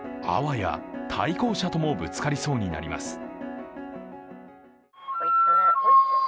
あわや対向車ともぶつかりそうになります。